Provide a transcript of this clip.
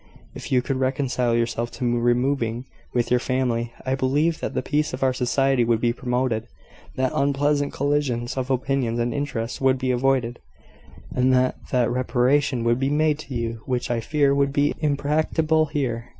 If you could reconcile yourself to removing, with your family, I believe that the peace of our society would be promoted, that unpleasant collisions of opinions and interests would be avoided, and that that reparation would be made to you which I fear would be impracticable here.